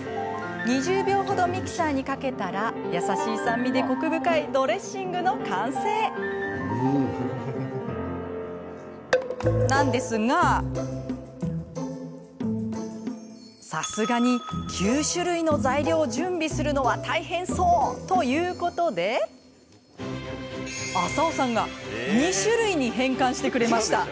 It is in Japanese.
２０秒程ミキサーにかけたら優しい酸味でコク深いドレッシングの完成なんですが、さすがに９種類の材料を準備するのは大変そうということで浅尾さんが２種類に変換してくれました。